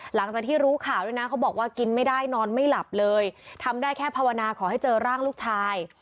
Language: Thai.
หลังจากที่รู้ข่าวด้วยนะเขาบอกว่ากินไม่ได้นอนไม่หลับเลยทำได้แค่ภาวนาขอให้เจอร่างลูกชาย